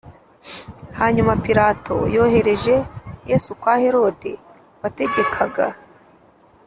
Hanyuma Pilato yohereje Yesu kwa Herode wategekaga